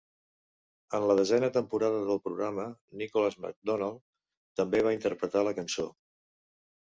En la desena temporada del programa, Nicholas McDonald també va interpretar la cançó.